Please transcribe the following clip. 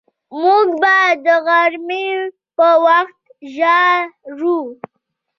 موږ به د غرمې په وخت ژاړو